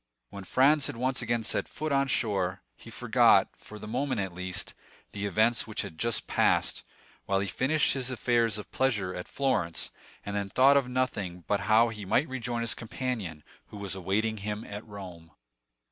When Franz had once again set foot on shore, he forgot, for the moment at least, the events which had just passed, while he finished his affairs of pleasure at Florence, and then thought of nothing but how he should rejoin his companion, who was awaiting him at Rome.